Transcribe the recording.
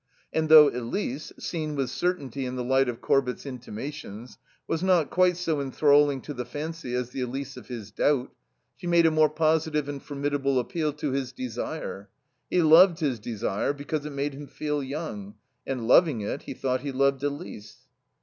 And though Elise, seen with certainty in the light of Corbett's intimations, was not quite so enthralling to the fancy as the Elise of his doubt, she made a more positive and formidable appeal to his desire. He loved his desire because it made him feel young, and, loving it, he thought he loved Elise.